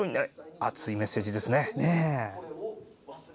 熱いメッセージですね。